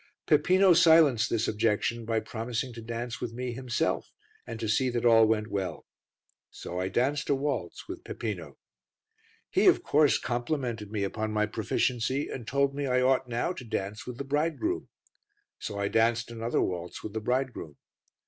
Peppino silenced this objection by promising to dance with me himself, and to see that all went well. So I danced a waltz with Peppino. He, of course, complimented me upon my proficiency, and told me I ought now to dance with the bridegroom. So I danced another waltz with the bridegroom.